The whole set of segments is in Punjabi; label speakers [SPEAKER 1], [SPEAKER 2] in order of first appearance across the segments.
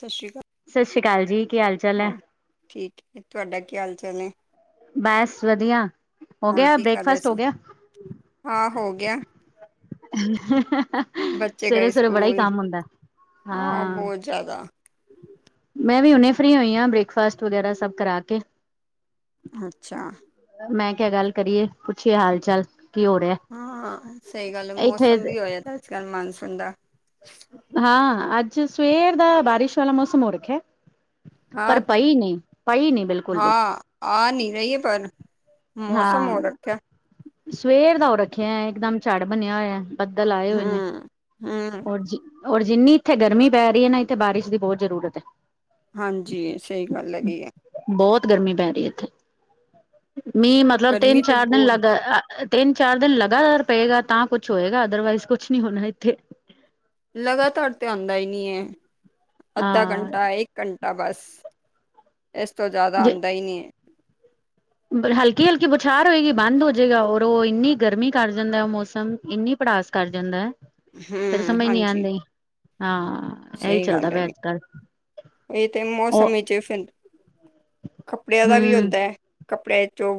[SPEAKER 1] ਸਤਿ ਸ੍ਰੀ ਅਕਾਲ।
[SPEAKER 2] ਸਤਿ ਸ੍ਰੀ ਅਕਾਲ ਜੀ, ਕੀ ਹਾਲ? ਚਾਲ ਹੈ
[SPEAKER 1] ਹਾਂ ਠੀਕ ਹੈ, ਤੁਹਾਡਾ ਕੀ ਹਾਲ ਚਾਲ ਏ।
[SPEAKER 2] ਬਸ ਵਧੀਆ। ਹੋ
[SPEAKER 1] ਹੋਰ
[SPEAKER 2] ਗਿਆ,
[SPEAKER 1] ਕੀ ਕਰ ਰਹੇ
[SPEAKER 2] ਬ੍ਰੇਕਫਾਸਟ ਹੋ
[SPEAKER 1] ਸੀ
[SPEAKER 2] ਗਿਆ।
[SPEAKER 1] ਹਾਂ ਹੋ ਗਿਆ।
[SPEAKER 2] [unintelligible]
[SPEAKER 1] ਬੱਚੇ
[SPEAKER 2] ਸਵੇਰੇ
[SPEAKER 1] ਗਏ
[SPEAKER 2] ਸਵੇਰੇ ਬੜਾ ਹੀ
[SPEAKER 1] ਸਕੂਲ।
[SPEAKER 2] ਕੰਮ ਹੁੰਦਾ
[SPEAKER 1] ਹਾਂ, ਬਹੁਤ ਜ਼ਿਆਦਾ।
[SPEAKER 2] ਮੈਂ ਵੀ ਹੁਣੇ ਫ੍ਰਰੀ ਹੋਈ ਆ, ਬ੍ਰੇਕਫਾਸਟ ਵਗੈਰਾ ਸਭ ਕਰਾ ਕੇ।
[SPEAKER 1] ਅੱਛਾ।
[SPEAKER 2] ਮੈਂ ਕਿਆ ਗੱਲ ਕਰੀਏ, ਪੁੱਛੀਏ ਹਾਲ-ਚਾਲ ਕੀ ਹੋ ਰਿਹਾ।
[SPEAKER 1] ਹਾਂ, ਸਹੀ ਗੱਲ
[SPEAKER 2] ਇੱਥੇ
[SPEAKER 1] ਮੌਸਮ ਵੀ ਹੋਆ ਦਾ ਅੱਜ-ਕੱਲ੍ਹ ਮਾਨਸੂਨ ਦਾ।
[SPEAKER 2] ਹਾਂ, ਅੱਜ ਸਵੇਰ ਦਾ ਬਾਰਿਸ਼ ਵਾਲਾ ਮੌਸਮ ਹੋ ਰੱਖਿਆ। ਪਰ
[SPEAKER 1] ਹਾਂ
[SPEAKER 2] ਪਈ ਨੀ, ਪਈ ਨੀ ਬਿਲਕੁਲ ਵੀ।
[SPEAKER 1] ਹਾਂ ਆ ਨਹੀਂ ਰਹੀ ਏ ਪਰ। ਮੌਸਮ ਹੋ
[SPEAKER 2] ਹਾਂ।
[SPEAKER 1] ਰੱਖਿਆ
[SPEAKER 2] ਸਵੇਰ ਦਾ ਹੋ ਰੱਖਿਆ ਇਕਦਮ ਝਾੜ ਬਣਿਆ ਹੋਇਆ। ਬੱਦਲ ਆਏ ਹੋਏ ਨੇ,
[SPEAKER 1] ਹਮ ਹਮ
[SPEAKER 2] ਹੋਰ ਜੀ। ਹੋਰ ਜਿੰਨੀ ਇੱਥੇ ਗਰਮੀ ਪੈ ਰਹੀ ਐ ਨਾ, ਇੱਥੇ ਬਾਰਿਸ਼ ਦੀ ਬਹੁਤ ਜ਼ਰੂਰਤ ਐ।
[SPEAKER 1] ਹਾਂਜੀ, ਸਹੀ ਗੱਲ ਹੈਗੀ ਐਂ।
[SPEAKER 2] ਬਹੁਤ ਗਰਮੀ ਪੈ ਰਹੀ ਇੱਥੇ, ਮੀਂਹ ਮਤਲਬ
[SPEAKER 1] ਗਰਮੀ ਤੇ
[SPEAKER 2] ਤਿੰਨ-ਚਾਰ ਦਿਨ
[SPEAKER 1] ਬਹੁਤ
[SPEAKER 2] ਲੱਗ ਅ ਤਿੰਨ-ਚਾਰ ਦਿਨ ਲਗਾਤਾਰ ਪਏਗਾ ਤਾਂ ਕੁੱਛ ਹੋਏਗਾ ਅਦਰਵਾਈਜ਼ ਕੁਛ ਨੀ ਹੋਣਾ ਇੱਥੇ।
[SPEAKER 1] ਲਗਾਤਾਰ ਤੇ ਆਂਦਾ ਹੀ ਨੀ ਏ, ਅੱਧਾ
[SPEAKER 2] ਹਾਂ
[SPEAKER 1] ਘੰਟਾ ਇੱਕ ਘੰਟਾ ਬਸ, ਇਸ ਤੋਂ ਜ਼ਿਆਦਾ ਆਂਦਾ ਇ ਨੀ ਐ।
[SPEAKER 2] ਹਲਕੀ-ਹਲਕੀ ਬੁਛਾਰ ਹੋਏਗੀ, ਬੰਦ ਹੋ ਜਾਏਗਾ ਔਰ ਉਹ ਇੰਨੀ ਗਰਮੀ ਕਰ ਜਾਂਦਾ ਉਹ ਮੌਸਮ, ਇੰਨੀ ਪੜਾਸ ਕਰ ਜਾਂਦਾ ਫੇਰ
[SPEAKER 1] ਹਮ
[SPEAKER 2] ਸਮਝ ਨੀ ਆਣ
[SPEAKER 1] ਹਾਂਜੀ
[SPEAKER 2] ਢਈ ਹਾਂ‌। ਇਹੀ
[SPEAKER 1] ਸਹੀ
[SPEAKER 2] ਚੱਲਦਾ
[SPEAKER 1] ਗੱਲ
[SPEAKER 2] ਪਿਆ
[SPEAKER 1] ਹੈਗੀ
[SPEAKER 2] ਅੱਜ-ਕੱਲ। ਉਹ
[SPEAKER 1] ਦੇ ਬਿਨ, ਕੱਪੜਿਆਂ ਦਾ ਵੀ
[SPEAKER 2] ਹਮ
[SPEAKER 1] ਹੁੰਦਾ ਐ, ਕੱਪੜੇ ਚੋਂ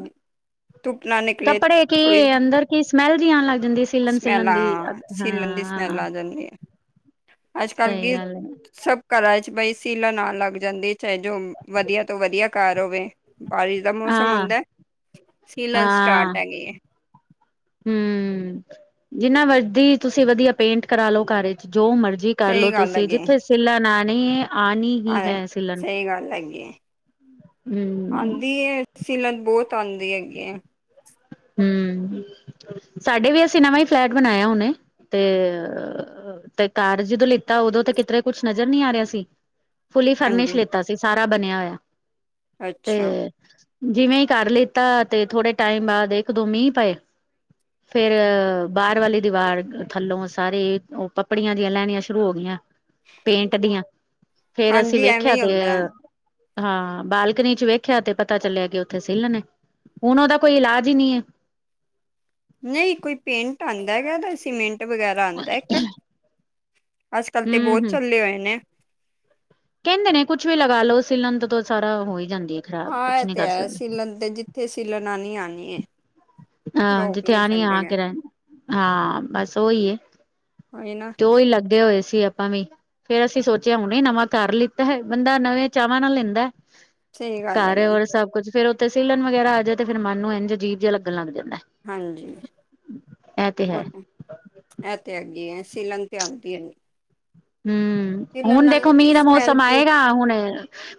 [SPEAKER 1] [unintelligible]
[SPEAKER 2] ਕੱਪੜੇ
[SPEAKER 1] ਥੋੜ੍ਹੀ
[SPEAKER 2] ਕੀ, ਅੰਦਰ ਕੀ, ਸਮੈਲ ਜਿਹੀ ਆਣ ਲੱਗ ਜਾਂਦੀ ਸਿਲਣ
[SPEAKER 1] ਸਮੈਲ
[SPEAKER 2] ਸਿਲਣ
[SPEAKER 1] ਆ
[SPEAKER 2] ਦੀ
[SPEAKER 1] ਸੀਲਣ ਦੀ ਸਮੈਲ
[SPEAKER 2] ਹਾਂ
[SPEAKER 1] ਆ ਜਾਂਦੀ ਹੈ ਅੱਜ ਕੱਲ੍ਹ
[SPEAKER 2] ਸਹੀ
[SPEAKER 1] ਕੀ
[SPEAKER 2] ਗੱਲ ਹੈ
[SPEAKER 1] ਸਭ ਘਰਾ ਚ ਬਈ ਸੀਲਨ ਨਾਲ ਲੱਗ ਜਾਂਦੀਏ, ਚਾਹੇ ਜੋ ਵਧੀਆ ਤੋਂ ਵਧੀਆ ਘਾਰ ਹੋਵੇ, ਬਾ ਦਾ ਮੌਸਮ
[SPEAKER 2] ਹਾਂ
[SPEAKER 1] ਹੁੰਦਾ, ਸੀਲਨ ਸਟਾਰਟ ਹੈਗੇ ਏ
[SPEAKER 2] ਹਮ, ਜਿੰਨਾ ਮਰਜ਼ੀ ਤੁਸੀ ਵਧੀਆ ਪੇਂਟ ਕਰਾ ਲਓ, ਘਰ ਚ ਜੋ ਮਰਜ਼ੀ
[SPEAKER 1] ਸਹੀ
[SPEAKER 2] ਕਰਲੋ
[SPEAKER 1] ਗੱਲ
[SPEAKER 2] ਤੁਸੀਂ
[SPEAKER 1] ਹੈਗੀ ਹੈ
[SPEAKER 2] ਜਿੱਥੇ ਸਿੱਲਨ ਆਨੀ ਏ ਆਣੀ ਹੀ
[SPEAKER 1] ਹਾਂ,
[SPEAKER 2] ਹੈ ਸਿਲਨ
[SPEAKER 1] ਸਹੀ ਗੱਲ ਹੈਗੀ ਆ
[SPEAKER 2] ਹੂੰ,
[SPEAKER 1] ਆਂਦੀ ਏ ਸੀਲਨ ਬਹੁਤ ਆਂਦੀ ਹੈਗੀ ਏ
[SPEAKER 2] ਹਮ, ਸਾਡੇ ਵੀ ਅਸੀ ਨਵਾਂ ਹੀ ਫਲੈਟ ਬਣਾਇਆ ਉਹਨੇ ਤੇ ਤੇ ਘਰ ਜਦੋਂ ਲਿੱਤਾ, ਉਦੋਂ ਤੇ ਕਿਤਰੇ ਕੁਛ ਨਜ਼ਰ ਨੀ ਆ ਰਿਹਾ ਸੀ। ਫੁਲੀ ਫਰਨਿਸ਼
[SPEAKER 1] ਹਾਂਜੀ
[SPEAKER 2] ਲਿਤਾ ਸੀ ਸਾਰਾ ਬਣਿਆ ਹੋਆ
[SPEAKER 1] ਅੱਛਾ
[SPEAKER 2] ਜਿਵੇਂ ਹੀ ਕਰ ਲਿੱਤਾ ਤੇ ਥੋੜੇ ਟਾਈਮ ਬਾਅਦ ਇੱਕ ਦੋ ਮੀਂਹ ਪਏ ਫੇਰ ਬਾਹਰ ਵਾਲੀ ਦੀਵਾਰ ਥੱਲੋਂ ਸਾਰੇ ਉਹ ਪੱਪੜੀਆਂ ਦੀਆਂ ਲੈਣੀਆਂ ਸ਼ੁਰੂ ਹੋ ਗਈਆਂ ਪੇਂਟ ਦੀਆਂ ਫੇਰ ਅਸੀਂ
[SPEAKER 1] ਹਾਂਜੀ ਐਵੇਂ
[SPEAKER 2] ਵੇਖਿਆ
[SPEAKER 1] ਹੀ
[SPEAKER 2] ਤੇ
[SPEAKER 1] ਹੁੰਦਾ ਹੈ
[SPEAKER 2] ਹਾਂ ਬਾਲਕਨੀ ਚ ਵੇਖਿਆ ਤੇ ਪਤਾ ਚੱਲਿਆ ਕਿ ਉੱਥੇ ਸਿੱਲ ਨੇ ਹੁਨ ਉਹਦਾ ਕੋਈ ਇਲਾਜ ਹੀ ਨਹੀਂ ਹੈ
[SPEAKER 1] ਨਹੀ ਕੋਈ ਪੇਂਟ ਆਉਂਦਾ ਹੇਗਾ ਸੀਮੈਂਟ ਵਗੈਰਾ ਆਉਂਦਾ ਇੱਕ, ਅੱਜ ਕਲ ਤੇ ਬਹੁਤ
[SPEAKER 2] ਹਮ ਹਮ
[SPEAKER 1] ਚੱਲੇ ਹੋਏ ਨੇ
[SPEAKER 2] ਕਹਿੰਦੇ ਨੇ ਕੁੱਛ ਵੀ ਲਗਾ ਲੋ, ਸੀਲਨ ਤੋਂ ਸਾਰਾ ਹੋ ਹੀ ਜਾਂਦੀ ਹੈ ਖ਼ਰਾਬ
[SPEAKER 1] ਹਾਂ
[SPEAKER 2] ਕੁਛ
[SPEAKER 1] ਇਹ
[SPEAKER 2] ਨੀ
[SPEAKER 1] ਤੇ
[SPEAKER 2] ਕਰ
[SPEAKER 1] ਹੈ
[SPEAKER 2] ਸਕਦੇ
[SPEAKER 1] ਸੀਲਣ ਤੇ ਜਿੱਥੇ ਸੀਲਣ ਆਨੀ ਆਨੀ ੲ
[SPEAKER 2] ਹਾਂ ਜਿੱਥੇ ਆਨੀ ਆ ਕੇ ਰਹਿ ਹਾਂ ਬਸ ਉਹੀ ੲ
[SPEAKER 1] ਏ ਨਾ
[SPEAKER 2] ਦੌ ਹੀ ਲੱਗੇ ਹੋਏ ਸੀ ਆਪਾਂ ਵੀ ਫੇਰ ਅਸੀ ਸੋਚਿਆ ਹੁਣੇ ਨਵਾਂ ਘਰ ਲਿੱਤਾ ਹੈ, ਬੰਦਾ ਨਵੇਂ ਚਾਵਾਂ ਨਾਲ ਲੈਂਦਾ
[SPEAKER 1] ਸਹੀ ਗੱਲ
[SPEAKER 2] ਘਰ
[SPEAKER 1] ਹੈਗੇ
[SPEAKER 2] ਹੋਰ ਸਭ ਕੁੱਛ ਫੇਰ ਉੱਥੇ ਸੀਲਣ ਵਗੈਰਾ ਆ ਜਾਏ, ਤੇ ਫੇਿਰ ਮਨ ਨੂੰ ਇੰਝ ਅਜੀਬ ਜਿਹਾ ਲੱਗਣ ਲੱਗ ਜਾਂਦਾ
[SPEAKER 1] ਹਾਂਜੀ
[SPEAKER 2] ਇਹ ਤੇ
[SPEAKER 1] ਉਹ
[SPEAKER 2] ਹੈ
[SPEAKER 1] ਤਾਂ ਇਹ ਤੇ ਹੈਗੀ ਐ ਸੀਲੰਗ ਤੇ ਆਉਂਦੀ ਹੈ ਨ
[SPEAKER 2] ਹਮ ਹੁਨ ਦੇਖੋ
[SPEAKER 1] ਕੀ
[SPEAKER 2] ਮੀਂਹ ਦਾ
[SPEAKER 1] ਸਮੈਲ
[SPEAKER 2] ਮੌਸਮ
[SPEAKER 1] ਪੂ
[SPEAKER 2] ਆਏਗਾ ਹੁਣ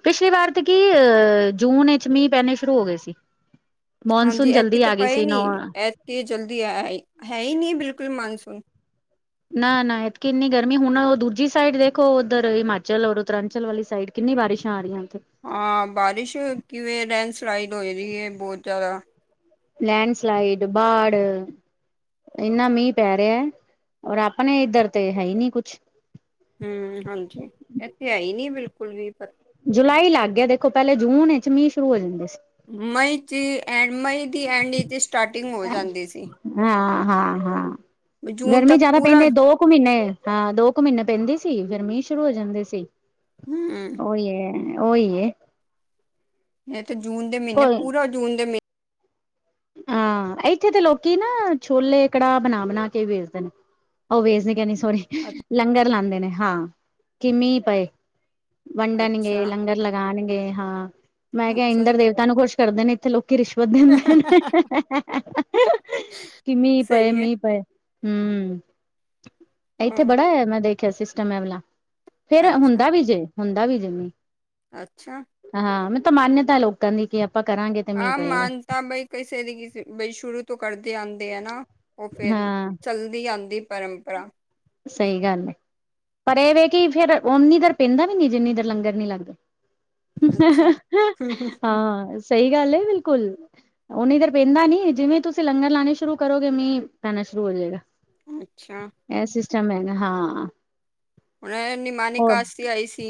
[SPEAKER 2] ਪਿਛਲੀ ਵਾਰ ਤੇ ਕੀ, ਅਹ ਜੂਨ ਵਿੱਚ ਮੀਂਹ ਪੇਣੇ ਸ਼ੁਰੂ ਹੋ ਗਏ ਸੀ ਮੌਨਸੂਨ
[SPEAKER 1] ਹਾਂਜੀ ੲੈਤਕੀ
[SPEAKER 2] ਜਲਦੀ
[SPEAKER 1] ਤੇ
[SPEAKER 2] ਆ ਗਈ
[SPEAKER 1] ਪਏ
[SPEAKER 2] ਸੀ ਨੌ
[SPEAKER 1] ਨਹੀਂ ਇਥ ਜਲਦੀ ਆ ਹੈ ਹੀ ਨਹੀ ਬਿਲਕੁਲ ਮਾਨਸੂਨ
[SPEAKER 2] ਨਾ- ਨਾ ੲਤਕੀ ਇੰਨੀ ਗਰਮੀ ਹੁਣ ਦੂਜੀ ਸਾਈਡ ਦੇਖੋ ਉੱਧਰ ਹਿਮਾਚਲ ਔਰ ਉੱਤਰਾਂਚਲ ਵਾਲੀ ਸਾਈਡ ਕਿੰਨੀ ਬਾਰਿਸ਼ਾਂ ਆ ਰਹੀਆਂ ੳਥੇ
[SPEAKER 1] ਹਾਂ ਬਾਰਿਸ਼ ਕਿਵੇਂ ਲੈਂਡਸਲਾਈਡ ਹੋ ਰਹੀ ਹੈ ਬਹੁਤ ਜ਼ਿਆਦਾ
[SPEAKER 2] ਲੈਂਡ ਸਲਈਡ ਬਾਡ ਇੰਨਾ ਮੀਂਹ ਪੈ ਰਿਹਾ ਔਰ ਆਪਣੇ ਇੱਧਰ ਤੇ ਹੈ ਹੀ ਨੀ ਕੁਛ
[SPEAKER 1] ਹਮ ਹਾਂਜੀ, ਇੱਥੇ ਹੈ ਹੀ ਨਹੀ ਬਿਲਕੁਲ ਵੀ ਪਰ
[SPEAKER 2] ਜੁਲਾਈ ਲੱਗ ਗਿਆ ਦੇਖੋ, ਪਹਿਲੇ ਜੂਨ ਵਿੱਚ ਮੀਂਹ ਸ਼ੁਰੂ ਹੋ ਜਾਂਦੇ ਸੀ
[SPEAKER 1] ਮਈ ਚ ਐ ਮਈ ਦੀ ਐਂਡ ਇਚ ਸਟਾਰਟਿੰਗ ਹੋ ਜਾਂਦੀ ਸੀ
[SPEAKER 2] ਹਾਂ- ਹਾਂ -ਹਾਂ
[SPEAKER 1] ਜੂਨ
[SPEAKER 2] ਗਰਮੀ
[SPEAKER 1] ਤੱਕ
[SPEAKER 2] ਜਿਆਦਾ
[SPEAKER 1] ਪੂਰਾ
[SPEAKER 2] ਪੈਂਦੀ ਹੈ ਦੋ ਕੁ ਮਹੀਨੇ ਹਾਂ ਦੋ ਕੁ ਮਹੀਨੇ ਪੈਂਦੇ ਸੀ ਫਿਰ ਮੀਂਹ ਸ਼ੁਰੂ ਹੋ ਜਾਂਦੇ ਸੀ
[SPEAKER 1] ਹਮ
[SPEAKER 2] ਉਹੀ ਹੈ ਉਹੀ
[SPEAKER 1] ਇਹ ਤੇ ਜੂਨ ਦੇ ਮਹੀਨੇ
[SPEAKER 2] ਕੋਈ
[SPEAKER 1] ਪੂਰਾ ਜੂਨ ਦੇ ਮਹੀਨੇ
[SPEAKER 2] ਹਾਂ ਇੱਥੇ ਤਾਂ ਲੋਕੀ ਨਾ ਛੋਲੇ ਕੜਾਹ ਬਣਾ-ਬਣਾ ਕੇ ਵੇਚਦੇ ਨੇ ਉਹ ਵੇਚ ਕਹਦੀ ਸੋਰੀ
[SPEAKER 1] ਅੱ
[SPEAKER 2] ਲੰਗਰ ਲਾਉਂਦੇ ਨੇ ਹਾਂ ਕਿ ਮੀਹੰ ਪਏ ਵੰਡਣਗੇ
[SPEAKER 1] ਅੱਛਾ,
[SPEAKER 2] ਲੰਗਰ ਲਗਾਨਗੇ ਹਾਂ ਮੈਂ ਕਿਹਾ
[SPEAKER 1] ਅੱਛਾ ਜੀ।
[SPEAKER 2] ਇੰਦਰ ਦੇਵਤਾ ਨ ਨੂੰ ਖੁਸ਼ ਕਰਦੇ ਨੇ ਇੱਥੇ ਲੋਕੀ ਰਿਸ਼ਵਤ ਦਿੰਦੇ ਨੇ ਕਿ, ਮੀਂ
[SPEAKER 1] ਸਹੀ ਹੈ,
[SPEAKER 2] ਪਏ-ਮੀਂ ਪਏ ਹੂੰ, ਇੱਥੇ
[SPEAKER 1] ਹਾਂ,
[SPEAKER 2] ਬੜਾ ਐ। ਮੈਂ ਦੇਖਿਆ ਸਿਸਟਮ ਏ ਵਾਲਾ ਫਿਰ
[SPEAKER 1] ਅੱਛਾ,
[SPEAKER 2] ਹੁੰਦਾ ਵੀ ਜੇ, ਹੁੰਦਾ ਵੀ ਜੇ
[SPEAKER 1] ਅੱਛਾ।
[SPEAKER 2] ਹਾਂ ਮ ਤਾਂ ਮਾਨਤਾ ਹੈ ਲੋਕਾਂ ਦੀ ਕਿ ਆਪਾਂ ਕਰਾਂਗੇ ਤੇ ਮੀਂਹ
[SPEAKER 1] ਹਾਂ,
[SPEAKER 2] ਪਏਗਾ
[SPEAKER 1] ਮਾਨਤਾ ਬਈ ਕਿਸੇ ਦੀ ਕਿਸੇ ਬਈ ਸ਼ੁਰੂ ਤੋਂ ਕਰਦੇ ਆਂਦੇ ਆ ਨਾ ਉਹ ਫੇਰ
[SPEAKER 2] ਹਾਂ
[SPEAKER 1] ਚੱਲਦੀ ਆਉਂਦੀ ਪਰੰ ਕਰ
[SPEAKER 2] ਸਹੀ ਗੱਲ ਹੈ ਪਰ ਇਹ ਵੇ ਕਿ ਫਿਰ ਉਨੀ ਦੇਰ ਪੈਂਦਾ ਵੀ ਨੀ ਜਿੰਨੀ ਦੇਰ ਲੰਗਰ ਨੀ ਲੱਗਦਾ
[SPEAKER 1] ਅੱਛਾ।
[SPEAKER 2] ਹਾਂ ਸਹੀ ਗੱਲ ਹੈ ਬਿਲਕੁਲ ਉਹ ਨਧਰ ਪੈਇੰਦਾ ਨੀ ਜਿਵੇਂ ਤੁਸੀਂ ਲੰਗਰ ਲਾਣੇ ਸ਼ੁਰੂ ਕਰੋਗੇ ਮੀਂਹ ਪੈਣਾ ਸ਼ੁਰੂ ਹੋ ਜਾਏਗਾ
[SPEAKER 1] ਉ ਅੱਛਾ
[SPEAKER 2] ਇਹ ਸਿਸਟਮ ਹੈਗਾ ਹਾਂ
[SPEAKER 1] ਹੁਣ ਨਿਮਾਨੀ
[SPEAKER 2] ਹੋਰ
[SPEAKER 1] ਕਾਸ਼ਤੀ ਆਈ ਸੀ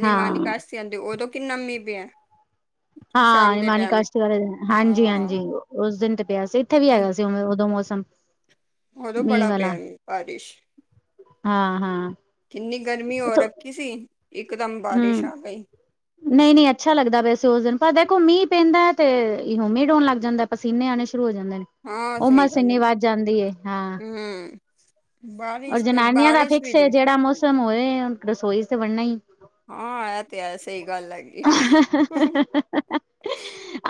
[SPEAKER 1] ਨਿਮਾਨੀ
[SPEAKER 2] ਹਾਂ
[SPEAKER 1] ਕਾਸ਼ਤੀ ਆਦੀ ਉਦੋਂ ਕੀ ਨਮੀ ਪਿਆ
[SPEAKER 2] ਹਾਂ,
[SPEAKER 1] ਸ਼ਾਮ ਦੇ
[SPEAKER 2] ਨਮਾਨੀ
[SPEAKER 1] ਟਾਈਮ
[SPEAKER 2] ਕਾਸ਼ਤੀ ਵਾਲੇ ਦਿਨ। ਹਾਂਜੀ
[SPEAKER 1] ਹਾਂ।
[SPEAKER 2] -ਹਾਂਜੀ ਉਸ ਦਿਨ ਤੇ ਪਿਆ ਸੀ। ਉੱਥੇ ਵੀ ਹੈਗਾ ਸੀ। ਉ- ਉਦੋਂ ਮੌਸਮ।
[SPEAKER 1] ਉਦੋਂ
[SPEAKER 2] ਮੀਂਹ
[SPEAKER 1] ਬੜਾ
[SPEAKER 2] ਵਾਲਾ
[SPEAKER 1] ਪਿਆ ਜੀ। ਬਾਰਿਸ਼
[SPEAKER 2] ਹਾਂ ਹਾਂ
[SPEAKER 1] ਇੰਨੀ ਗਰਮੀ ਹੋ ਰੱਖੀ ਸੀ। ਇਕਦਮ ਬਾਰਿਸ਼ ਆ ਗਈ।
[SPEAKER 2] ਨਹੀਂ-ਨਹੀਂ ਅੱਛਾ ਲੱਗਦਾ ਪਿਆ ਸੀ। ਉਸ ਦਿਨ ਪਰ ਦੇਖੋ ਮੀਂਹ ਪੈਂਦਾ ਤੇ, ਹੋ ਮੀਡ ਹੋਣ ਲੱਗ ਜਾਂਦਾ ਐ। ਪਸੀਨੇ ਆਉਣੇ ਸ਼ੁਰੂ ਹੋ ਜਾਂਦੇ ਨੇ,
[SPEAKER 1] ਹਾਂ ਸਹੀ
[SPEAKER 2] ਉਮਸ
[SPEAKER 1] ਗੱਲ ਹੈ
[SPEAKER 2] ਇੰਨੀ ਵੱਧ ਜਾਂਦੀ ਐ ਹਾਂ।
[SPEAKER 1] ਹੂੰ
[SPEAKER 2] ਔਰ
[SPEAKER 1] ਬਾਰਿਸ਼ ਤੇ
[SPEAKER 2] ਜਨਾਨੀਆਂ ਦਾ
[SPEAKER 1] ਬਾਰਿਸ਼ ਵੀ
[SPEAKER 2] ਫਿਕਸ ਐ।
[SPEAKER 1] ਜੇ
[SPEAKER 2] ਜਿਹੜਾ ਮੌਸਮ ਹੋਏ, ਰਸੋਈ ਤੇ ਵਣਨਾ ਈਐ।।
[SPEAKER 1] ਹਾਂ। ਇਹ ਤੇ ਐ, ਸਹੀ ਗੱਲ ਹੈਗੀ।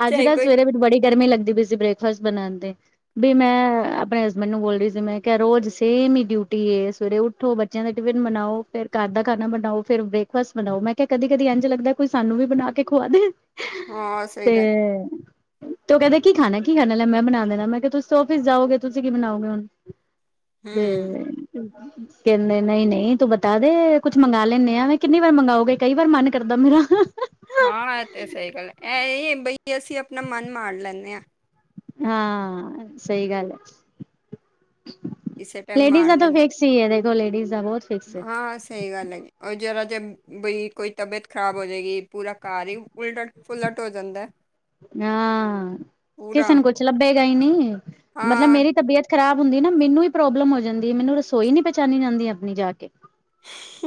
[SPEAKER 2] ਅੱਜ
[SPEAKER 1] ਚਾਹੇ
[SPEAKER 2] ਤਾਂ
[SPEAKER 1] ਕੋਈ
[SPEAKER 2] ਸਵੇਰੇ, ਮੈਨੂੰ ਬੜੀ ਗਰਮੀ ਲੱਗਦੀ ਪਈ ਸੀ। ਬ੍ਰੇਕ ਫਾਸਟ ਬਣਾਦੇ। ਵੀ ਮੈਂ ਆਪਣੇ ਹਸਬੈਂਡ ਨੂੰ ਬੋਲ ਰਹੀ ਸੀ। ਮੈਂ ਕਿਹਾ ਰੋਜ਼ ਸਹੀ ਨੀ ਡਿਊਟੀ ਏ, ਸਵੇਰੇ ਉੱਠੋ ਬ ਪਹਿਲੇ ਟਿਫਿਨ ਬਣਾਓ। ਫਿਰ ਘਰ ਦਾ ਖਾਣਾ ਬਣਾਓ। ਫਿਰ ਬ੍ਰੇਕਫਾਸਟ ਬਣਾਓ। ਮੈਂ ਕਿਹਾ ਕਦੀ ਕਦੀ ਇੰਝ ਲੱਗਦਾ। ਕੋਈ ਸਾਨੂੰ ਵੀ ਬਣਾ ਕੇ ਖਵਾ ਦੇਣ,
[SPEAKER 1] ਹਾਂ ਸਹੀ
[SPEAKER 2] ਤੇ
[SPEAKER 1] ਗੱਲ
[SPEAKER 2] ਤੇ ਓ ਕਹਿੰਦੇ ਕੀ ਖਾਣਾ-ਕੀ ਖਾਣਾ ਲੈ ਮੈਂ ਬਣਾ ਦੇਣਾ। ਮੈਂ ਕਿਹਾ ਤੁਸੀ ਔਫੀਸ ਜਾਓਗੇ, ਤੁਸੀਂ ਕੀ ਬਣਾਓਗੇ ਹੁਣ। [unintelligible]
[SPEAKER 1] ਹੂੰ
[SPEAKER 2] ਕਹਿੰਦੇ, ਨਹੀਂ-ਨਹੀਂ ਤੂੰ ਬਤਾ ਦੋ ਕੁੱਛ ਮੰਗ ਲੈਂਦੇ ਆ। ਕਿੰਨੀ ਵਾਰ ਮੰਗਓਗੇ, ਕਈ ਵਾਰ ਮਨ ਕਰਦਾ ਮੇਰਾ
[SPEAKER 1] ਹਾਂ, ਤੇ ਸਹੀ ਗੱਲ ਐ। ਇਹ-ਇਹੀ ਬਈ ਅਸੀਂ ਆਪਣਾ ਮਨ ਮਾਾਰ ਲੈਂਦੇ ਆ।
[SPEAKER 2] ਆ। ਸਹੀ ਗੱਲ ਐ।
[SPEAKER 1] ਕਿਸੇ ਟਾਈਮ
[SPEAKER 2] ਲੇਡੀਜ਼
[SPEAKER 1] ਮਾਰ
[SPEAKER 2] ਦਾ ਤਾਂ
[SPEAKER 1] ਲੈਂਦੇ
[SPEAKER 2] ਫਿਕਸ ਹੀ ਐ। ਦੇਖੋ ਲੇਡੀਜ਼ ਦਾ ਬਹੁਤ ਫਿਕਸ ਐ।
[SPEAKER 1] ਹਾਂ ਸਹੀ ਗੱਲ ਐ। ਆ ਜੇਰ ਜਿਹਰਾ ਜੇ ਬਈ ਕੋਈ ਤਬੀਅਤ ਖ਼ਰਾਬ ਹੋ ਜਾਵੇਗੀ ਪੂਰਾ ਘਰ ਈ। ਉਲਟ-ਪੁਲਟ ਹੋ ਜਾਂਦਾ ਐ।
[SPEAKER 2] ਆ। ਕਿਸੇ ਨੂੰ ਕੁਛ ਲੱਭੇਗਾ ਈ ਨਹੀਂ, ਮਤਲਬ
[SPEAKER 1] ਹਾਂ
[SPEAKER 2] ਮੇਰੀ ਤਬੀਅਤ ਖ਼ਰਾਬ ਹੁੰਦੀ ਨਾ। ਮੈਨੂੰ ਹੀ ਪ੍ਰੋਬਲਮ ਹੋ ਜਾਂਦੀ ਐ। ਮੈਨੂੰ ਰਸੋਈ ਨੀ ਪਹਿਚਾਨੀ ਜਾਂਦੀ ਆਪਣੀ ਜਾ ਕੇ।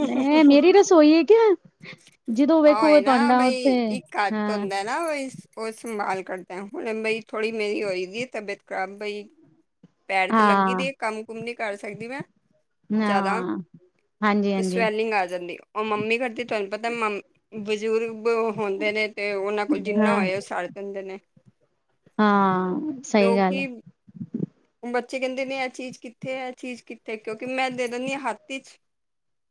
[SPEAKER 2] ਨਹੀਂ, ਮੇਰੀ ਰਸੋਈ ਏ ਕਿਆ। ਜਦੋਂ
[SPEAKER 1] ਆ
[SPEAKER 2] ਵੇਖੋ ਭਾਡਾਂ ਉੱਥੇ ਹਾਂ।
[SPEAKER 1] ਹਨਾ। ਉਹੀ-ਉਹ ਸੰਭਾਲ ਕਰਦੇ ਆ। ਹੁਣ ਬਈ ਥੋੜੀ ਮੇਰੀ ਹੋਏਗੀ ਤਬੀਅਤ ਖਰਾਬ ਬਈ
[SPEAKER 2] [inaudible]
[SPEAKER 1] ਪੈਰ ਤੇ ਲੱਗੀ ਦੀ
[SPEAKER 2] ਹਾਂ
[SPEAKER 1] ਏ, ਕੰਮ-ਕੁਮ ਨੀ ਕਰ ਸਕਦੀ ਮੈਂ
[SPEAKER 2] ਨਾ
[SPEAKER 1] ਜ਼ਿਆਦਾ ਤੇ ਸਵੈਲਿੰਗ ਆ ਜਾਂਦੀ। ਉਹ ਮੰਮੀ ਕਰਦੀ ਤੁਹਾਨੂੰ ਪਤਾ। ਮ ਬਜ਼ੁਰਗ ਹੁੰਦੇ ਨੇ ਤੇ ਉਹਨਾਂ ਕੋਲ ਜਿੰਨਾ
[SPEAKER 2] ਹਾਂ
[SPEAKER 1] ਹੋਇਆ। ਉਹ ਸੜ ਦਿੰਦੇ ਨੇ।
[SPEAKER 2] ਹਾਂ।
[SPEAKER 1] ਤੇ
[SPEAKER 2] ਸਹੀ
[SPEAKER 1] ਉਹ
[SPEAKER 2] ਗੱਲ
[SPEAKER 1] ਕੀ
[SPEAKER 2] ਐ।
[SPEAKER 1] ਬੱਚੇ ਕਹਿੰਦੇ ਨੇ ਇਹ ਚੀਜ਼ ਕਿੱਥੇ ਐ। ਇਹ ਚੀਜ਼ ਕਿੱਥੇ, ਕਿਉਂਕਿ ਮੈਂ ਦੇ ਦਿੰਦੀ ਆ ਹੱਥ ਵਿਚ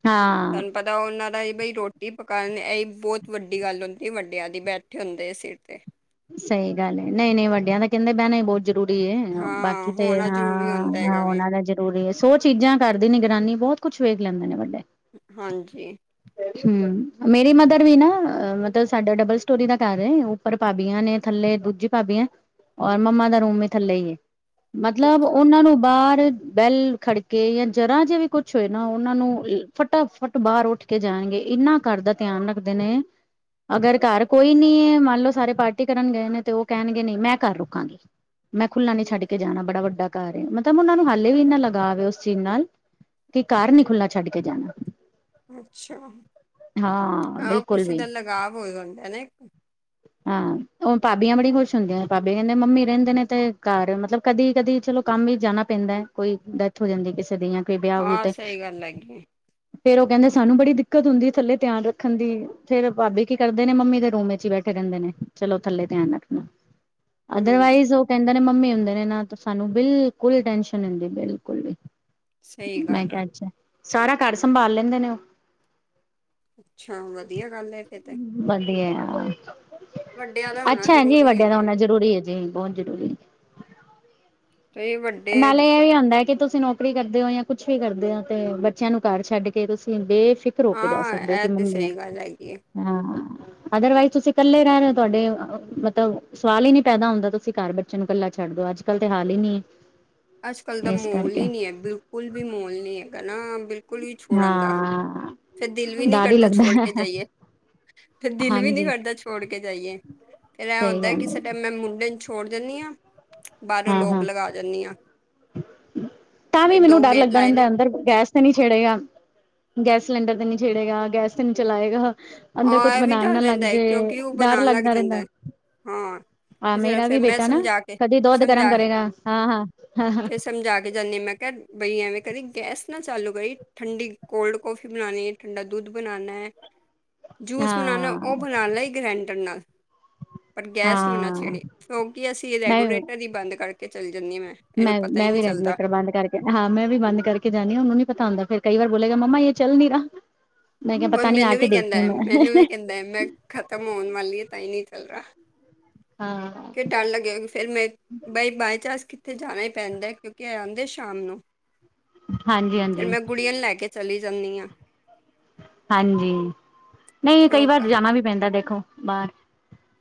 [SPEAKER 2] ਹਾਂ
[SPEAKER 1] ਤੁਹਾਨੂੰ ਪਤਾ ਉਹਨਾਂ ਦਾ ਹੀ ਬਈ ਰੋਟੀ ਪਕਾਉਣੀ। ਇਹ ਬਹੁਤ ਵੱਡੀ ਗੱਲ ਹੁੰਦੀ। ਵੱਡਿਆਂ ਦੀ ਬੈਠੇ ਹੁੰਦੇ ਐ ਸਿਰ ਤੇ
[SPEAKER 2] ਸਹੀ ਗੱਲ ਏ, ਨਹੀਂ-ਨਹੀਂ ਵੱਡਿਆਂ ਦਾ ਕਹਿੰਦੇ ਬਹਿਣੇ ਬਹੁ- ਜ਼ਰੂਰੀ ਐ। ਬਾਕੀ
[SPEAKER 1] ਹਾਂ
[SPEAKER 2] ਤੇ
[SPEAKER 1] ਹੋਣਾ ਜ਼ਰੂਰੀ ਹੁੰਦਾ
[SPEAKER 2] ਅ
[SPEAKER 1] ਹੈਗਾ ਵੇ
[SPEAKER 2] ਉਹਨਾਂ ਦਾ ਜੇ ਜ਼ਰੂਰੀ, ਸੋ ਚੀਜ਼ਾਂ ਕਰਦੀ ਨਿਗਰਾਨੀ। ਬਹੁਤ ਕੁੱਛ ਵੇਖ ਲੈਂਦੇ ਨੇ ਵੱਡੇ।
[SPEAKER 1] ਹਾਂਜੀ।
[SPEAKER 2] ਹੂੰ, ਮੇਰੀ ਮਦਰ ਵੀ ਨਾ, ਮਤਲਬ ਸਾਡਾ ਡਬਲ ਸਟੋਰੀ ਦਾ ਘਰ ਏ ਉੱਪਰ ਭਾ ਭਾਬੀਆਂ ਨੇ ਥੱਲੇ। ਦੂਜੀ ਭਾਬੀਆਂ ਔਰ ਮੰਮਾ ਦਾ ਰੂਮ ਵੀ ਥੱਲੇ ਈ ਏ। ਮਤਲਬ,
[SPEAKER 1] ਅੱਛਾ
[SPEAKER 2] ਉਹਨਾਂ ਨੂੰ ਬਾਹਰ ਬੈਲ ਖੜਕੇ, ਜਾਂ ਜਰਾ ਜੇ ਵੀ ਕੁਛ ਹੋਏ ਨਾ, ਉਹਨਾਂ ਨੂੰ ਫਟਾਫਟ ਬਾਹਰ ਉੱਠ ਉਠ ਕੇ ਜਾਣਗੇ? ਇਹਨਾਂ ਘਰ ਦਾ ਧਿਆਨ ਰੱਖਦੇ ਨੇ। ਅਗਰ ਘਰ ਕੋਈ ਨੀ ਐ, ਮੰਨ ਲਓ ਸਾਰੇ ਪਾਰਟੀ ਕਰਨ ਗਏ ਨੇ, ਤੇ ਉਹ ਕਹਿਣਗੇ, ਨਹੀਂ, ਮੈਂ ਘਰ ਰੁਕਾਂਗੀ। ਮੈਂ ਖੁੱਲਾ ਨੀ ਛੱਡ ਕੇ ਜਾਣਾ। ਬੜਾ ਵੱਡਾ ਘਰ ਐ। ਮਤਲਬ, ਉਹ ਨੂੰ ਹਾਲੇ ਵੀ ਇੰਨਾ ਲਗਾਵ ਐ। ਉਸ ਚੀਜ਼ ਨਾਲ ਕਿ, ਘਰ ਨੀ ਖੁੱਲ੍ਹਾ ਛੱਡ ਕੇ ਜਾਣਾ।
[SPEAKER 1] ਅੱਛਾ,
[SPEAKER 2] ਹਾਂ
[SPEAKER 1] ਆਹ
[SPEAKER 2] ਬਿਲਕੁਲ
[SPEAKER 1] ਕਿਸੇ
[SPEAKER 2] ਵੀ
[SPEAKER 1] ਦਾ ਲਗਾਵ ਹੋ ਜਾਂਦਾ ਨਾ।
[SPEAKER 2] ਹਾਂ, ਉਹ ਭਾਬੀਆਂ ਬੜੀ ਖੁਸ਼ ਹੁੰਦੀਆਂ ਨੇ, ਭਾਬੀਆਂ ਕਹਿੰਦੇ ਮੰਮੀ ਰਹਿੰਦੇ ਨੇ, ਤੇ ਘਰ ਮਤਲਬ ਕਦੀ ਕਦੀ ਚਲੋ ਕੰਮ ਵੀ ਜਾਣਾ ਪੈਂਦਾ ਹੈ, ਕੋਈ ਡੈਥ ਹੋ ਜਾਂਦੀ ਕਿਸੇ ਦੀ ਆਂ। ਬਈ ਵਿਆਹ ਵੁਓ
[SPEAKER 1] ਹਾਂ
[SPEAKER 2] ਤੇ,
[SPEAKER 1] ਸਹੀ ਗੱਲ ਹੈਗੀ
[SPEAKER 2] ਫੇਰ ਉਹ ਕਹਿੰਦੇ ਸਾਨੂੰ ਬੜੀ ਦਿੱਕਤ ਹੁੰਦੀ ਥੱਲੇ ਧਿਆਨ ਰੱਖਣ ਦੀ। ਫੇਰ ਭਾਬੀ ਕੀ ਕਰਦੇ ਨੇ, ਮੰਮੀ ਦੇ ਰੂਮ ਵਿੱਚ ਹੀ ਬੈਠੇ ਰਹਿੰਦੇ ਨੇ। ਚਲੋ ਥੱਲੇ, ਧਿਆਨ ਰੱਖਣਾ,
[SPEAKER 1] ਹੂੰ
[SPEAKER 2] ਅਦਰਵਾਈਜ਼ ਉਹ ਕਹਿੰਦੇ ਨੇ, ਮੰਮੀ ਹੁੰਦੇ ਨੇ ਨਾ, ਤਾਂ ਸਾਨੂੰ ਬਿਲਕੁਲ ਟੈਨਸ਼ਨ ਨੀ ਹੁੰਦੀ, ਬਿਲਕੁਲ ਵੀ।
[SPEAKER 1] ਸਹੀ
[SPEAKER 2] ਮੈਂ
[SPEAKER 1] ਗੱਲ ਹੈ
[SPEAKER 2] ਕਿਹਾ, ਅਛਾ, ਸਾਰਾ ਘਰ ਸੰਭਾਲ ਲੈਂਦੇ ਨੇ ਉਹ।
[SPEAKER 1] ਅੱਛਾ, ਵਧੀਆ ਗੱਲ ਹੈ ਫੇਰ ਤੇ!
[SPEAKER 2] ਵਧੀਆ,
[SPEAKER 1] ਵੱਡਿਆਂ ਦਾ ਹੋਣਾ
[SPEAKER 2] ਅੱਛਾ ਹੈ ਜੀ।
[SPEAKER 1] ਜ਼ਰੂਰੀ
[SPEAKER 2] ਵੱਡਿਆਂ ਦਾ
[SPEAKER 1] ਹੈਗਾ।
[SPEAKER 2] ਹੋਨਾ ਜ਼ਰੂਰੀ ਹੈ ਜੀ, ਬਹੁਤ ਜ਼ਰੂਰੀ।
[SPEAKER 1] ਕਈ ਵਡ
[SPEAKER 2] ਨਾਲੇ ਇਹ ਵੀ ਹੁੰਦਾ। ਕਿ ਤੁਸੀਂ ਨੌਕਰੀ ਕਰਦੇ ਹੋ, ਜਾਂ ਕੁਛ ਵੀ ਕਰਦੇ ਹੋ, ਤੇ ਬੱਚਿਆਂ ਨੂੰ ਘਰ ਛੱਡ ਕੇ ਤੁਸੀਂ ਬੇਫਿਕਰ ਰੋਕੇ ਜਾ
[SPEAKER 1] ਹਾਂ
[SPEAKER 2] ਸਕਦੇ ਹੋ, ਕਿ
[SPEAKER 1] ਇਹ ਤੇ
[SPEAKER 2] ਮੰਮੀ ਹੈ।
[SPEAKER 1] ਸਹੀ ਗੱਲ ਹੈਗੀ ਹੈ।
[SPEAKER 2] ਅਦਰਵਾਈਜ਼, ਤੁਸੀਂ ਇਕੱਲੇ ਰਹਿ ਰਹੇ ਹੋ, ਤੁਹਾਡੇ ਮਤਲਬ? ਸਵਾਲ ਹੀ ਨਹੀਂ ਪੈਦਾ ਹੁੰਦਾ, ਤੁਸੀਂ ਘਰ ਬੱਚੇ ਨੂੰ ਇਕੱਲਾ ਛੱਡ ਦਿਓ, ਅੱਜ- ਕੱਲ੍ਹ ਤਾਂ ਹਾਲ ਹੀ ਨਹੀਂ ਹੈ।
[SPEAKER 1] ਅੱਜ -ਕੱਲ ਦਾ ਮਾਹੌਲ ਹੀ ਨਹੀਂ ਹੈ, ਬਿਲਕੁਲ ਵੀ ਮਾਹੌਲ ਨੀ ਹੈਗਾ ਨਾ, ਬਿਲ ਕੁੜੀ ਨੂ ਛੋੜਣ ਦਾ,
[SPEAKER 2] ਹਾਂ
[SPEAKER 1] ਫਿਰ ਦਿਲ ਵੀ ਨੀ
[SPEAKER 2] ਡਰ ਹੀ
[SPEAKER 1] ਕਰਦਾ, ਛੋੜ
[SPEAKER 2] ਲੱਗਦਾ
[SPEAKER 1] ਕੇ ਜਾਈਏ। ਫਿਰ ਦਿਲ ਵੀ ਨੀ
[SPEAKER 2] ਹਾਂਜੀ
[SPEAKER 1] ਕਰਦਾ ਛੋੜ ਕੇ ਜਾਈਏ, ਫੇਰ ਇਹ
[SPEAKER 2] ਸਹੀ
[SPEAKER 1] ਹੁੰਦਾ ਹੈ
[SPEAKER 2] ਗੱਲ
[SPEAKER 1] ਕਿਸੇ ਟ ਮੈਂ ਮੁੰਡੇ ਨੂੰ ਛੋੜ ਦੇਨੀ ਆ। ਬਾਹਰੋਂ
[SPEAKER 2] ਹਾਂ
[SPEAKER 1] ਲੋਕ
[SPEAKER 2] ਹਾਂ
[SPEAKER 1] ਲਗਾ ਜਾਨੀ ਆ।
[SPEAKER 2] ਤਾਂ ਵੀ ਮੈਨੂੰ ਡਰ
[SPEAKER 1] ਗੇਟ
[SPEAKER 2] ਲੱਗਦਾ
[SPEAKER 1] ਲਾਏ ਨੇ
[SPEAKER 2] ਰਹਿੰਦਾ, ਅੰਦਰ ਗੈਸ ਤੇ ਨੀ ਛੇੜੇਗਾ, ਗੈਸ ਸਿਲੰਡਰ ਤੇ ਨੀ ਛੇੜੇਗਾ, ਗੈਸ ਤੇ ਨੀ ਚਲਾਏਗਾ। ਅੰਦਰ
[SPEAKER 1] ਹਾ,
[SPEAKER 2] ਕੁਛ
[SPEAKER 1] ਇਹ ਵੀ
[SPEAKER 2] ਬਣਾਣ
[SPEAKER 1] ਡਰ
[SPEAKER 2] ਨਾ ਲੱਗ
[SPEAKER 1] ਰਹਿੰਦਾ ਹੈ,
[SPEAKER 2] ਜੇ
[SPEAKER 1] ਕਿਉਂਕਿ ਉਹ
[SPEAKER 2] ਡਰ
[SPEAKER 1] ਬਣਾਉਣ ਲੱਗ
[SPEAKER 2] ਲੱਗਦਾ
[SPEAKER 1] ਜਾਂਦਾ
[SPEAKER 2] ਰਹਿੰਦਾ
[SPEAKER 1] ਹੈ। ਹਾਂ,
[SPEAKER 2] ਹਾਂ
[SPEAKER 1] ਕਿਸੇ ਨੇ,
[SPEAKER 2] ਮੇਰਾ
[SPEAKER 1] ਫਿਰ
[SPEAKER 2] ਵੀ
[SPEAKER 1] ਨੇ
[SPEAKER 2] ਬੇਟਾ ਨਾ
[SPEAKER 1] ਸਮਝਾ ਕੇ
[SPEAKER 2] ਕਦੀ ਦੁੱਧ ਗਰਮ
[SPEAKER 1] ਸਮਝਾ,
[SPEAKER 2] ਕਰੇਗਾ ਹਾਂ ਹਾਂ ਹਾਂ
[SPEAKER 1] ਫਿਰ ਸਮਝਾ ਕੇ ਜਾਂਦੀ, ਮੈਂ ਕਿਹਾ ਬਈ, ਐਵੇਂ ਕਦੀ ਗੈਸ ਨਾ ਚਾਲੂ ਕਰੀ, ਠੰਡੀ ਕੋਲਡ ਕੋੌਫੀ ਬਣਾਉਣੀ ਹੈ, ਠੰਡਾ ਦੁੱਧ ਬਣਾਉਣਾ ਹੈ। ਜੂਸ ਬਣਾਉਣਾ, ਉਹ
[SPEAKER 2] ਹਾਂ
[SPEAKER 1] ਬਣਾ ਲਈ ਗ੍ਰੈਂਡਰ ਨਾਲ। ਪਰ ਗੈਸ ਨੂੰ ਨਾ
[SPEAKER 2] ਹਾਂ
[SPEAKER 1] ਛੇੜੀ, ਕਿਉਂਕਿ ਅਸੀਂ
[SPEAKER 2] ਮੈਂ
[SPEAKER 1] ਰੈਗੂਲੇਟਰ ਹੀ ਬੰਦ ਕਰਕੇ ਚਲੀ ਜਾਂਨੀ ਆ ਮੈਂ।
[SPEAKER 2] ਮੈਂ,
[SPEAKER 1] ਇਹਨੂੰ ਪਤਾ ਹੀ
[SPEAKER 2] ਮੈਂ ਵੀ
[SPEAKER 1] ਨਹੀਂ ਚੱਲਦਾ
[SPEAKER 2] ਰੈਗੂਲੇਟਰ ਬੰਦ ਕਰਕੇ ਹਾਂ, ਮੈਂ ਵੀ ਬੰਦ ਕਰਕੇ ਜਾਨੀਂ ਹਾਂ, ਉਹਨੂੰ ਨੀ ਪਤਾ ਹੁੰਦਾ, ਫਿਰ ਕਈ ਵਾਰ ਬੋਲੇਗਾ, ਮੰਮਾ ਯੇਹ ਚੱਲ ਨੀ ਰਹਾ। ਮੈਂ ਕਿਹਾ
[SPEAKER 1] ਉਹ
[SPEAKER 2] ਪਤਾ ਨੀ ਆ
[SPEAKER 1] ਮੈਨੂੰ
[SPEAKER 2] ਕੇ
[SPEAKER 1] ਵੀ
[SPEAKER 2] ਦੇਖਦੀ
[SPEAKER 1] ਕਹਿੰਦਾ,
[SPEAKER 2] ਹੂੰ ਮੈਂ
[SPEAKER 1] ਮੈਨੂੰ ਵੀ ਕਹਿੰਦਾ ਹੈ। ਮੈਂ ਖ਼ਤਮ ਹੋਣ ਵਾਲੀ ਆ, ਤਾਂ ਹੀ ਨੀ ਚੱਲ ਰਹਾ।
[SPEAKER 2] ਹਾਂ।
[SPEAKER 1] ਕੇ ਡਰ ਲੱਗੇ, ਫਿਰ ਮੈ ਬਾਈ, ਬਾਏ ਚਾਂਸ ਕਿੱਥੇ ਜਾਣਾ ਹੀ ਪੈਂਦਾ, ਕਿਉਂਕਿ ਆ ਆਂਦੇ ਸ਼ਾਮ ਨੂੰ।
[SPEAKER 2] ਹਾਂਜੀ -ਹਾਂਜੀ।
[SPEAKER 1] ਕੁੜੀਆਂ ਨੂੰ ਲੈ ਕੇ ਚਲੀ ਜਾਂਨੀਂ ਆ।
[SPEAKER 2] ਹਾਂਜੀ, ਨਹੀਂ
[SPEAKER 1] ਫਿਰ
[SPEAKER 2] ਕਈ
[SPEAKER 1] ਉਹ ਘਰ
[SPEAKER 2] ਵਾਰ ਜਾਣਾ ਵੀ ਪੈਂਦਾ, ਦੇਖੋ ਬਾਹਰ।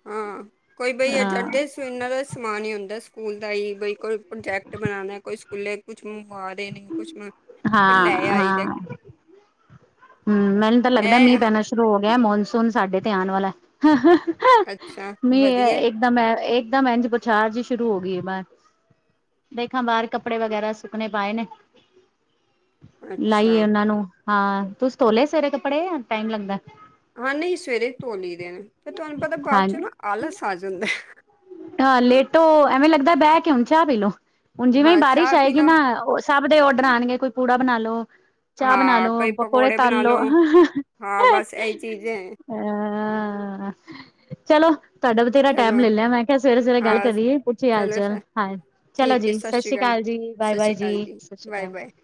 [SPEAKER 1] ਹਾਂ, ਕੋਈ ਬਈ
[SPEAKER 2] ਹਾਂ
[SPEAKER 1] ਏਜੰਟਸ। ਇਹਨਾਂ ਦਾ ਸਮਾਨ ਹੀ ਹੁੰਦਾ, ਸਕੂਲ ਦਾ ਹੀ, ਬਈ, ਕੋਈ ਪ੍ਰੋਜੈਕਟ ਬਣਾਉਣਾ ਐ, ਕੋਈ ਖੁੱਲੇ ਕੁਛ ਮਾੜੇ ਨੇ, ਕੁਛ ਫਿਰ
[SPEAKER 2] ਹਾਂ
[SPEAKER 1] ਲੈ ਆਈ ਦਾ।
[SPEAKER 2] ਹੂੰ! ਮੈਨੂੰ ਤਾਂ ਲੱਗਦਾ ਮੀਂਹ
[SPEAKER 1] ਹੈਂ
[SPEAKER 2] ਪੈਣਾ ਸ਼ੁਰੂ ਹੋ ਗਿਆ ਮੌਨਸੂਨ ਸਾਡੇ ਤੇ ਆਣ ਵਾਲਾ। ਹਾ - ਹਾ - ਹਾ ਹਿਊ!
[SPEAKER 1] ਅੱਛਾ
[SPEAKER 2] ਮੀਂਹ
[SPEAKER 1] ਵਧੀਆ
[SPEAKER 2] ਏਹ ਇਕਦਮ ਐ ਇਕਦਮ ਐਂਜ ਬਸਾਰ ਜੀ ਸ਼ੁਰੂ ਹੋ ਗਈ ਏ ਬਾਰ। ਦੇਖਾਂ ਬਾਹਰ, ਕੱਪੜੇ ਵਗੈਰਾ ਸੁੱਕਣੇ ਪਾਏ ਨੇ, ਲਾਈ
[SPEAKER 1] ਅੱਛਾ
[SPEAKER 2] ਏ ਉਹਨਾਂ ਨੂੰ, ਹਾਂ! ਤੁਸੀਂ ਧੋਲੇ ਸਵੇਰੇ ਕੱਪੜੇ ਟਾਈਮ ਲੱਗਦਾ।
[SPEAKER 1] ਹਾਂ! ਨਹੀਂ ਸਵੇਰੇ ਹੀ ਧੋ ਲਈ ਦੇ ਨੇ, ਫੇਰ ਤੁਹਾਨੂੰ ਪਤਾ ਬਾਅਦ
[SPEAKER 2] ਹਾਂਜੀ
[SPEAKER 1] ਚੋਂ ਨਾ ਆਲਸ ਆ ਜਾਂਦਾ, ਹਾਅ
[SPEAKER 2] ਹਾਂ! ਲੇਟੋ ਐਵੇਂ ਲੱਗਦਾ ਬਹਿ ਕੇ ਹੁਣ ਚਾਹ ਪੀਲੋ, ਹੁਣ ਜਿਵੇਂ ਹੀ
[SPEAKER 1] ਹਾਂ
[SPEAKER 2] ਬਾਰਿਸ਼
[SPEAKER 1] ਚਾਹ ਪੀ
[SPEAKER 2] ਆਏਗੀ
[SPEAKER 1] ਲਓ
[SPEAKER 2] ਨਾ ਓਸ ਸਭ ਦੇ ਔਡਰ ਆਉਣਗੇ ਕੋਈ ਪੂੜਾ ਬਣਾ ਲੋ, ਚਾਹ ਬਣਾ
[SPEAKER 1] ਹਾਂ
[SPEAKER 2] ਲੋ,
[SPEAKER 1] ਕੋਈ
[SPEAKER 2] ਪਕੌੜੇ
[SPEAKER 1] ਬਣਾ ਲੋ
[SPEAKER 2] ਹਾਲੋਂ!
[SPEAKER 1] ਹਾਂ
[SPEAKER 2] ਹੂੰ-ਹੂੰ-ਹੂੰ-ਹਾ-ਹਾ-ਹਾ।
[SPEAKER 1] ਬਸ ਇਹੀ ਚੀਜ਼ ਹੈ
[SPEAKER 2] ਐ-ਐ-ਆ-ਆ, ਚਲੋ! ਤੁਹਾਡਾ ਬਥੇਰਾ ਟਾਈਮ
[SPEAKER 1] ਚਲੋ
[SPEAKER 2] ਲੈ ਲਿਆ, ਮੈਂ ਕਿਹਾ ਸਵੇਰੇ- ਸਵੇਰੇ ਗੱਲ
[SPEAKER 1] ਹਾਂ
[SPEAKER 2] ਕਰੀਏ, ਪੁੱਛੀਏ ਹਾਲ
[SPEAKER 1] ਚਲੋ
[SPEAKER 2] ਚਾਲ,
[SPEAKER 1] ਸਰ
[SPEAKER 2] ਹਾਂ! ਚਲੋ
[SPEAKER 1] ਠੀਕ ਹੈ
[SPEAKER 2] ਜੀ ਸਤਿ
[SPEAKER 1] ਸ਼੍ਰੀ
[SPEAKER 2] ਸ੍ਰੀ ਅਕਾਲ ਜੀ। ਬਾਏ!
[SPEAKER 1] ਸਤਿ
[SPEAKER 2] ਬਾਏ
[SPEAKER 1] ਸ਼੍ਰੀ
[SPEAKER 2] ਜੀ,
[SPEAKER 1] ਅਕਾਲ
[SPEAKER 2] ਸਤਿ ਸ੍ਰੀ
[SPEAKER 1] ਬਾਏ ਬਾਏ
[SPEAKER 2] ਅਕਾਲ।